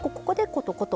コトコト。